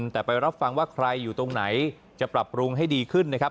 แต่ไปรับฟังว่าใครอยู่ตรงไหนจะปรับปรุงให้ดีขึ้นนะครับ